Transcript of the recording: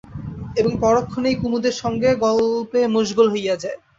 এবং পরক্ষণেই কুমুদের সঙ্গে গল্পে মশগুল হইয়া যায়।